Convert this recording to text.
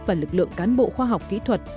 và lực lượng cán bộ khoa học kỹ thuật